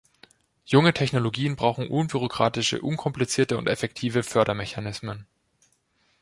Junge Technologien brauchen unbürokratische, unkomplizierte und effektive Fördermechanismen.